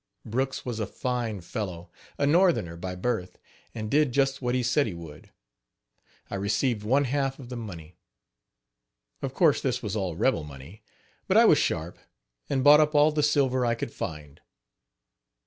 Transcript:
Brooks was a fine fellow a northerner by birth, and did just what he said he would. I received one half of the money. Of course this was all rebel money, but I was sharp, and bought up all the silver I could find.